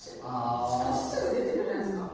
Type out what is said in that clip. しかもすぐ出てくるじゃないですか。